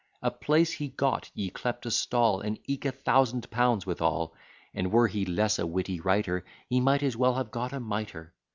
A place he got, yclept a stall, And eke a thousand pounds withal; And were he less a witty writer, He might as well have got a mitre.